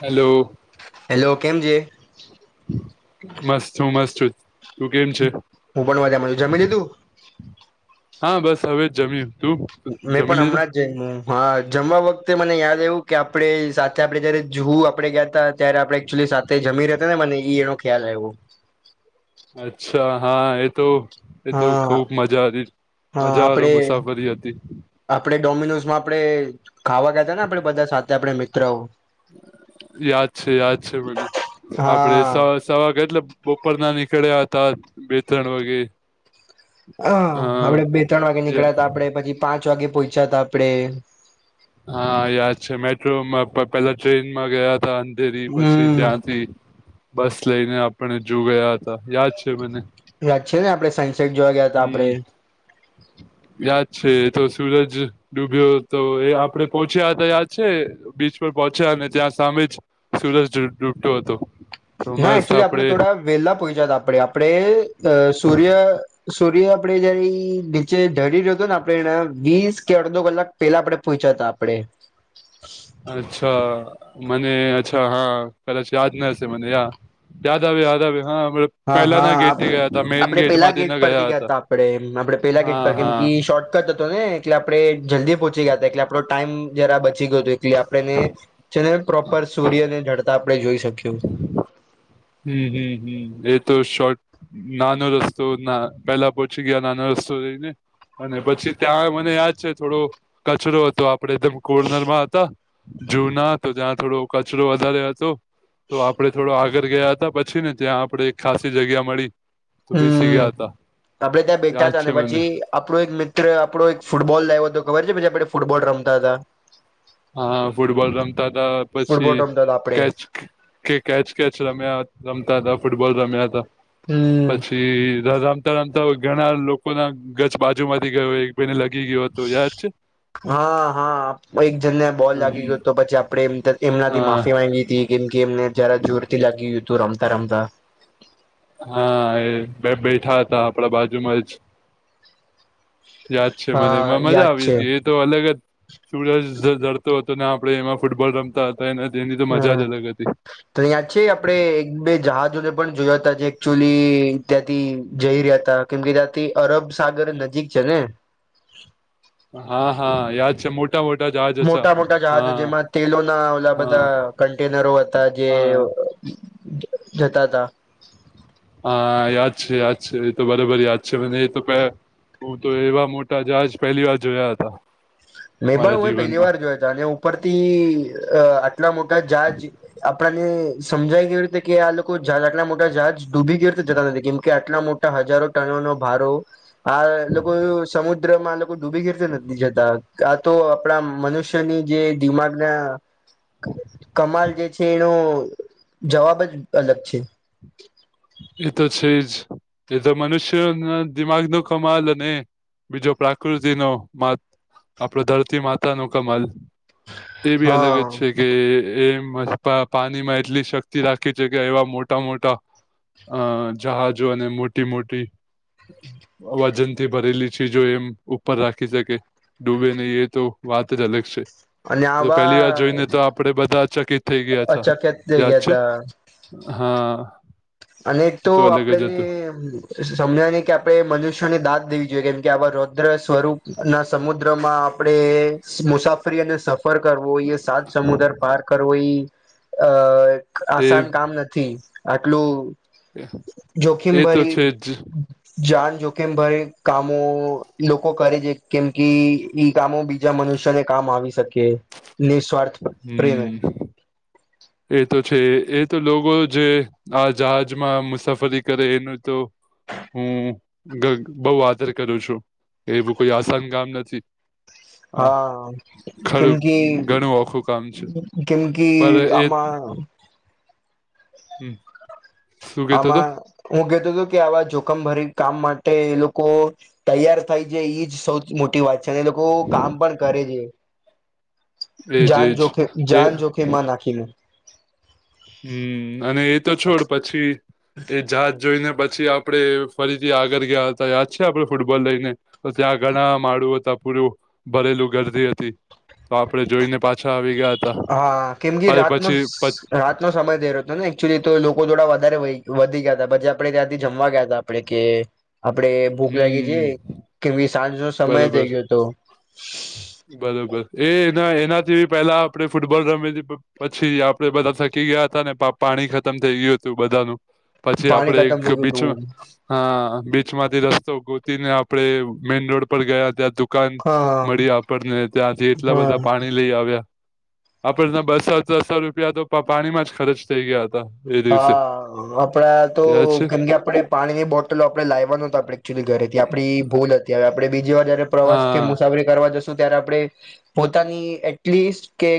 Hello hello કેમ છે મસ છું મસ છું જ હું પણ મજામાં છું જમી લીધુ? હા, બસ હવે જમ્યુ તું? મે જમી પણ લીધું હમણાં જ જયમુ હા, જમવા વખતે મને યાદ આઈવુ કે આપડે સાથે આપડે જયારે ઝૂહુ આપડે ગયા તા ત્યારે આપડે એક્ચુઅલી સાથે જમી રેતા ને એમાં નેહિ એનો ખ્યાલ આયવો. અચ્છા હા એ તો એ તો હા ખૂબ મજા હતી મજા વારો મુસાફરી હતી. આપડે ડોમિનોઝમાં આપડે ખાવા ગયા તાને આપડે બધા સાથે આપડે મિત્રો યાદ છે યાદ છે મને આપડે સ હા છ વાગે એટલે બપોરના નીકળ્યા હતા બે-ત્રણ વાગે. અ હન આપડે બે-ત્રણ વાગે નીકળા યા- તા આપડે પછી પાંચ વાગે પોઈચાતા આપડે. હા યાદ છે મેટ્રોમાં પ પેલો ટ્રેનમાં ગયા તાન ધેરી પછી હમ ત્યાંથી બસ લઈને આપડે જૂ ગયા હતા યાદ છે મને. યાદ છે ને આપડે સાયન્સ હમ્મ. યાદ છે એતો સૂરજ ડૂબ્યો તો એ આપડે પોહોંચ્યા હતા યાદ છે બીચ પર પહોંચ્યા અને ત્યાં સામે જ સુરજ ડૂ-ડૂબતો હતો. તો ના મસ્ત એકચુલી આપડે થોડા વેલા પહોંચ્યા તા આપડે આપડે અ સૂર્ય સૂર્ય આપડે જયારે નીચે ઢળી રયો તો ન આપડે એના વીસ કે અડધો કલાક પેલા આપડે પોયચા તા આપડે અચ્છા મને અચ્છા હા કદાચ યાદ નથી મને યા યાદ આયવુ યાદ આયવુ હા. હા હા પેલાના ગેટથી ગયા હતા મેઈન આપ-આપડે પેલા માંથી ગેટ ના પરથી ગયા હતા ગયાતા આપડે આપડે પેલા ગેટ હા પર કેમ હા કે ઈ શોર્ટ કટ હતો ને એટલે આપડે જલ્દી પહોંચી ગયા તા એટલે આપડો ટાઈમ જરા બચી ગયો તો એટલે આપડને છે ને પ્રોપર સૂર્યને ઢડતા આપડે જોઈ શકીયું હમ્મ હમ્મ હમ્મ એ તો શોટ નાનો રસ્તો ના પહેલા પહોચી ગયા નાનો રસ્તો રઈને અને પછી ત્યાં મને યાદ છે થોડો કચરો હતો આપ આપડે કોર્નરમાં હતા જૂના તો ત્યાં થોડો કચરો વધારે હતો તો આપડે થોડો આગળ ગયા હતા પછી ને ત્યાં આપડે એક ખાાસી જગ્યા મળી તો બેસી હમ્મ ગયા હતા આપડે ત્યાં બેઠા યાદ હતા છે અને મને પછી આપણો એક મિત્ર આપણો એક ફૂટબોલ લાવ્યો હતો ખબર છે પછી આપણે ફૂટબોલ રમતા હતા હા ફૂટબોલ રમતા હતા ફૂટબોલ પછી રમતા હતા આપડે કેચ કે કેચ કેચ રમ્યા રમતા હતા ફૂટબોલ રમ્યા હતા. હમ્મ. એ રમતા રમતા હોય ઘણા લોકો ના ગજ બાજુ માંથી ગયો હોય કોને લગી ગયો હતો યાદ છે હા હા એક જણ ને બોલ લાગી ગયો તો પછી આપડે એમ એમનાથી હા માફી માંગી હતી કેમ કે એમને જરા જોરથી લાગી ગયું હતું રમતા રમતા હા એ બે બેઠા હતા આપડા બાજુમાં જ યાદ છે મને હા મજા યાદ આવી છે હતી એ તો અલગ જ સુરજ ડતો હતો ને આપડે એમાં ફૂટબોલ રમતા હતા તો એને તેની તો મજા જ હમ અલગ હતી. તો અયા યાદ છે આપડે એક બે જહાજોને પણ જોયા તા જે એકચુઅલી ત્યાંથી જઈ રહ્યા હતા કેમ કે ત્યાથી અરબ સાગર નજીક છે ને હા હા યાદ છે મોટી ઇતના વડા જહાજ હતા મોટા મોટા હા જહાજો જેમાં તેલોના ઓલા હા બધા કન્ટેનરો હતા જે હા જતા તા હા યાદ છે યાદ છે એ તો બરાબર યાદ છે મને એ તો પ હું તો એવા મોટા જહાજ પહેલી વાર જોયા હતા. મે મારા પણ પહેલી જીવનમાં વાર જોયા તા અને ઉપરથી અ એટલા મોટા જહાજ આપણાને સમજાઈ કેવી રીતે કે આ લોકો જહા આટલા મોટા જહાજ ડૂબી કેવી રીતે જતા નથી કેમ કે આટલા મોટા હજારો ટનો નો ભારો આ લોકો સમુદ્રમાં ડૂબી [unintelligible] તો નથી જતા આ તો આપણા મનુષ્યની જે દિમાગના કમાલ જે છે એનો જવાબ જ અલગ છે. એ તો છે જ એ તો મનુષ્યના દિમાગનો કમાલ અને બીજો પ્રકૃતિનો મા આપડો ધરતી માતાનું કમાલ. તે બી અલગ હા જ છે. કે એ પાણીમાં એટલી શક્તિ રાખે છે કે એવા મોટા મોટા અ જહાજો અને મોટી મોટી વજન થી ભરેલી ચીજ એમ ઉપર રાખી શકે. ડૂબે નહી એ તો વાત જ અલગ છે. અને આવા પેલી વાર જોઈને તો આપડે બધા ચકિત થઈ ગયા છે અચકત થઈ યાદ ગયા છે. તા હા. અને એક એ તો અલગ આપડે જ ને હતું સમજાય નહી કે આપડણે મનુષ્યને દાંત દેવી જોઈએ કેમ કે આવા રોદ્ર સ્વરૂપના સમુદ્રમાં આપડે મુસાફરી અને સ સફર કરવો એ સાત સમુદ્ર પાર કરવો એ અ એ આસાન કામ નથી આટલું જોખિમ એ તો ભરી છે જ જાન જોખિમ ભરીને કામો લોકો કરે છે કેમ કે ઈ કામો બીજ બીજા મનુષ્યને કામ આવી શકે નિસ્વાર્થ પ્રેમે હમ એ તો છે એ તો લોકો જે આ જહાજમાં મુસાફરી કરે એનું તો હું બહું આદર કરું છું એવું કોઈ આસાન કામ નથી. આ હા કેમ ખરું કે ઘણું ઓખું કામ છે કેમ કી પર એ આમાં હમ. શું કેતો હતો આમાં હું કેતો હતો કે આવા જોખમ ભરી કામ માટે એ લોકો તૈયાર થાય છે એજ સૌથી મોટી વાત છે અને લોકો કામ પણ કરે છે. [inaudible] એજ એજ એ જાન જ જોખીમ એ જાન જોખીમાં નાખીને. હમ અને એતો છોડ પછી એ જાત જોઈને પછી આપ આપણે ફરીથી આગળ ગયા હતા યાદ છે આપડણે ફૂટબોલ લઈને? ત્યાં ઘણા માળું હતા પૂરું ભરેલું ગરદી હતી. તો આપડે જોઈને પાછા આવી ગયા હા કેમ કે હતા રાતનો પછી રાતનો સમય થઈ રહ્યો હતો ને એકચુલી તો લોકો થોડા વધારે વધી ગયા હતા પછી આપડે ત્યાંથી જમવા ગયા હતા આપડે કે આપડે ભૂખ લાગી છે હમ કેમ કે સાંજ નો સમય બરોબર થઈ ગયો હતો. બરોબર એના એનાથી પેલા આપડે ફૂટબોલ રમેલી પછી આપે બધા થથકી ગયા હતા ને પાણી ખતમ થઈ ગયું હતું બધાનું. પછી પાણી આપડે ખતમ એક થઈ ગયું હતું બીચમાં હા બીચમાંથી રસ્તો ગોતીને આપડે મેઈન રોડ પર ગયા ત્યાં દુ દુકાન મળી હા આપણને ત્યાંથી એટલા હા બધા પાણી લઈ આવ્યા આપણ બસો ત્રસો રૂપિયા તો પાણીમાં જ ખર્ચ થઈ ગયા હતા. એ દિવસે હા આપડા તો યાદ છે કેમ કે આપડે પાણીની બોટલો આપડે લાવયા નોતા આપડે [unintelligible] ઘરે હતી આપણી ભૂલ હતી હવે આપણે બીજી વાર જયારે પ્રવાસ કે હા મુસાફરી કરવા જશું ત્યારે આપણે પોતાની એટલીસ્ટ કે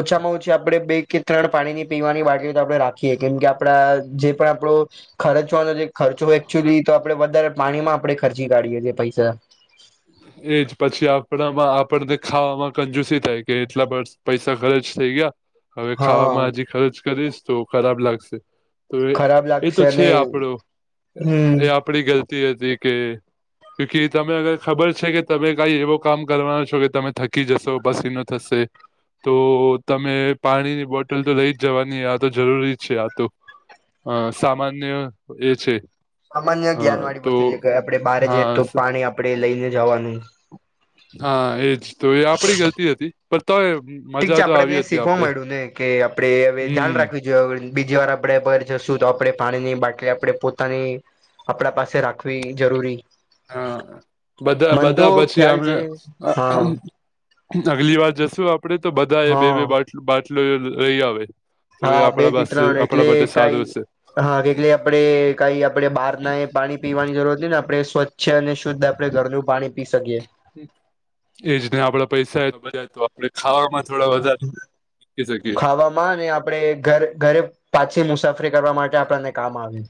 ઓછામાં ઓછી આપડે બે કે ત્રણ પાણીની પીવાની બાટલીઓ તો આપડે રા ખીએ કેમ કે આપડા જે પણ આપડો ખર્ચવાનો જે ખર્ચો હોય એકચુલી તો આપડે વધારે પાણી માં આપડે ખર્ચી કાઢીએ છીએ પૈસા. એ હે. એજ પછી આપણામાં આપણને ખાવામાં કંજુસી થાય કે એટલા બર્ષ પૈસા ખર્ચ થઈ ગયા હવે હા ખાવામાં હજી ખર્ચ કરીશ તો ખરાબ લાગશે. તો એ ખરાબ એ તો લાગશે છે અને આપડો હમ અહ એ આપ પડી ગલતી હતી કે ક્યુકી તમે અગર ખબર છે કે તમે કાઈ એવો કામ કરવાનો છો કે તમે થકી જશો પસીનો થશે તો તમે પાણીની બોટલ તો લઈ જ જવાની આ તો જરૂરી છે આ તો. અહ સામાન્ય એ છે સામાન્ય અ જ્ઞાન વાળી તો વસ્તુ છે કે આપડે બહારે જઈ હા તો પાણી આપડે લઈને જવાનું. હા એજ તો એ આપડી ગલતી હતી પર તો એ ઠીક છે આપડને શીખવા મળમાંડ્યું ને કે આપડે હવે ધ્યાન હમ રાખવી જો બીજી વાર આપડે પગર જશું તો આપડે પાણીની બાટલી આપડે પોતાની આપડા પાસે રાખવી જરૂરી હા, બધા મન તો બધા પછી ખ્યાલ આમને છે અહ હા હમ્મ અગલી વાર જશું આપડે તો બધા એ બે હા બે બેટ બાટલો લઈ આવે. તો હા, એ બે આપણા થી પાસે ત્રણ આપણા એટલે માટે કઈ સારું હશે હા, કેટલે આપડે કઈ આપડે બહાર ના એ પાણી પીવાની જરૂર હો ને આપડે સ્વચ્છ છે અને શુદ્ધ આપડે ઘરનું પાણી પી શકીએ. એજ ને આપડા પૈસા તો બધા તો આપડે ખાવામાં થોડા વધારે મૂકી શકીએ ખાવામાં અને આપડે ઘર ઘરે પાછી મુસાફરી કરવા માટે આપડા ને કામ આવે.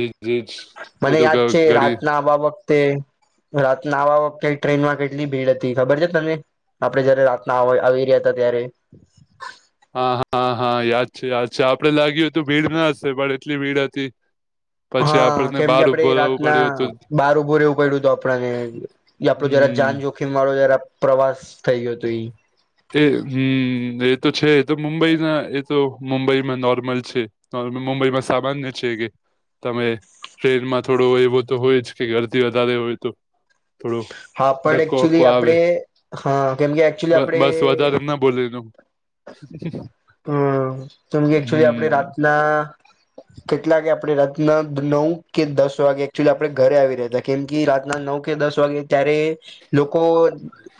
એજ એજ એ મને તો યાદ ગ છે ઘડી રાતના આ બાબા તે રાતના આ વખતે ટ્રેન માં કેટલી ભીડ હતી ખબર છે તને? આપડે જયારે રાતના આવા આવી રહ્યા હતા ત્યારે. હા હા હા યાદ છે યાદ છે આપડે લાગ્યું હતું ભીડ ના હશે પણ એટલી ભીડ હતી પછી હા, આપણને કેમ કે બહાર આપડે ઉભો રહેવું રાતના પડ્યું હતું બાર ઉભું એવું પડ્યું હત આપડાને ઈ આપડો જરા હમ જાન જોખીમ વાળો જરા પ્રવાસ થઈ ગયો હતો ઈ. તે હમ્મ એ તો છે તો મુંબઈના એ તો મુંબઈમાં નોર્મલ છે. અહ મુંબઈમાં સામાન્ય છે કે. તમે ટ્રેનમાં થોડો એવો તો હોય જ કે ગરદી વધારે હોય તો થોડો હા, પણ ધક્કો વક્કો એકચુલી આવે આપડે હા કેમકે બ એકચુલી આપડે બસ વધારે ના બોલ્યું તું. હમ્મ તમ એક્ચુલી આપડે રાતના કેટલા કે આપડે રાતના નવ કે દસ વાગે એકચુલી આપડે ઘરે આવી રયતા. કેમ કે રાતના નવ કે દસ વાગે ત્યારે લોકો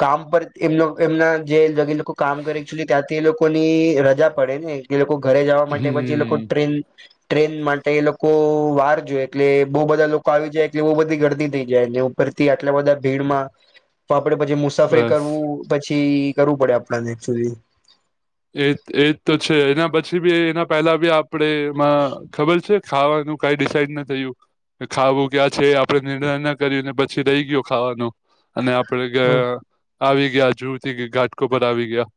કામ પર એમ એમના જે લોકો કામ કરે છે ત્યાંથી એ લોકોની રજા પડે ને એ લોકો ઘરે જવા માટે પછી એ લોકો હમ ટ્રેન ટ્રેન માટે એ લોકો વાર જો એટલે બો બધા લોકો આવી જાય એટલે બો બધી ગરદી થઈ જાય એને ઓ પરતી આટલા બધા ભીડમાં તો આપડે પછી મુશ સફે બસ કરવું પછી કરવું પડે આપડા એકચ્યુલી. એ એજ તો છે એના પછી બી એના પહેલા બી આપડે એમાં ખબર છે ખાવાનું કઈ ડિસઇડ ના થયું ખાવું ક્યાં છે આપડે નિર્ણય ના કર ને પછી રહી ગયો ખાવાનો. અને આપડે ગા આવી ગયા જુહુ થી ઘાટ ગોપર આવી ગયા.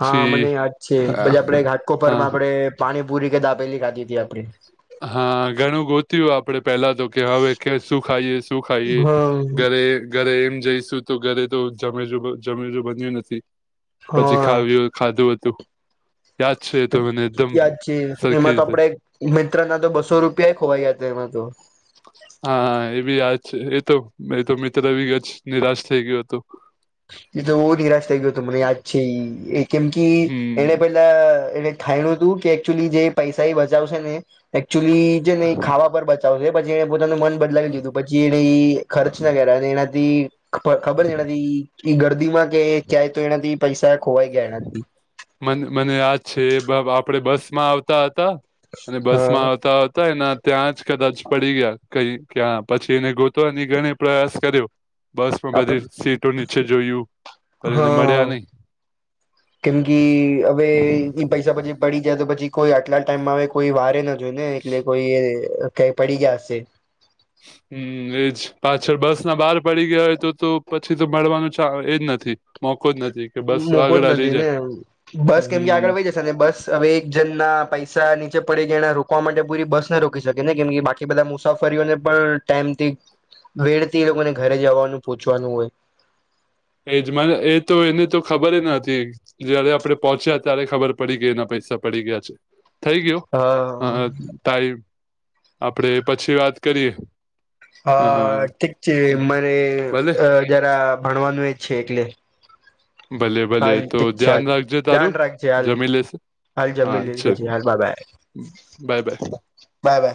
હા, મને યાદ છે પછી હા આપડે ઘાટ હા કોપરમાં આપડે પાણીપુરી કે દાબેલી ખાધી હતી આપે. હા, ઘણું ગોત્યું આપડે પેલા તો કે હવે કે શું ખાઈએ શું ખાઈએ હા ઘરે ઘરે એમ જઈશું તો ઘરે તો જમેજ જમેજું બન્યું નથી પછી હા ખાવ્યું હોય ખાધું હતું. યાદ છે એ તો મને એકદમ યાદ છે સરખી એમાં તો રીતે આપડે મિત્ર ના તો બસો રૂપિયા ખોવાઈ ગયા હતા એમાં તો હા એ બી યાદ છે એ તો એ તો મિત્ર બી નિરાશ થઈ ગયું હતું એ તો બોજ નિરાશ થઇ ગયો હતો મને યાદ છે એ કેમ કે એને હમ પેલા એને થાય રુ દુ એકચુલી જે પૈસા બચાવશે ને એકચુલી જે ને ખાવા ઉપર બચાવશે પછી એને પોતાનું મન બદલાવી દીધું પછી એને ખર્ચ ના કર્યા એનાથી ખબર છે એ એનાથી ગર્દીમાં કે ક્યાય તો એનાથી પૈસા ખોવાઈ ગયા એનાથી મને મને યાદ છે એ આપડે બસ માં આવતા હતા અને બસ માં હા આવતા આવતા એના ત્યાં જ કદાચ પડી ગયા કઈ ક્યાં પછી એને ગોતવા નીકળવાનો પ્રયાસ કર્યો બસ માં આપ બધી સીટો નીચે જોયું પણ એને હા મળ્યા નઈ કેમ કે હવે પૈસા પછી પડી જાય તો પછી કોઈ આટલા ટાઈમમાં હોય કોઈ વારે ન જોય ને એટલે કોઈ કઈ પડી ગયા હશે હમ્મ એજ પાછળ બસ ના બહાર પડી ગયા હોય તો તો પછી તો મળવાનું અચ્છા એજ નથી મોકો જ નથી કે બસ મોકો જ આગળ હાલી નથી જાય ને બસ કેમ કે હમ આગળ વય જાય અને બસ હવે એક જન ના પૈસા નીચે પડી ગયા એના રોકવા માટે પૂરી બસ ને રોકી શકે ને કેમ કે બાકી કે બધા મુસાફરીઓને પણ ટાઈમથી વેડથી એ લોકોને ઘરે જવાનું પોહચવાનું હોય એજ મને એ તો એને તો ખબર નોતી જયારે આપડે પહોંચ્યા ત્યારે ખબર પડી ગઈ એના પૈસા પડી ગયા છે. થઈ ગયો હ હા ટાઈમ આપણેે પછી વાત કરીએ અ હા ઠીક છે મરે ભલે જરા ભણવાનું એ છે એટલે ભલે ભલે હાલ તો ઠીક છે ચાલ ધ્યાન રાખજે ધ્યાન તારું રાખજે હાલ જમી લેશે હાલ હા જમી લી ચલ પછી હાલ bye bye bye bye bye by